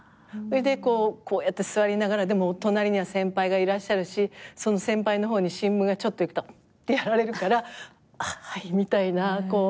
それでこうやって座りながらでも隣には先輩がいらっしゃるしその先輩の方に新聞がちょっと行くと。ってやられるからあっはいみたいな。